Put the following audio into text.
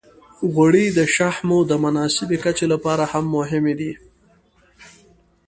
غوړې د شحمو د مناسبې کچې لپاره هم مهمې دي.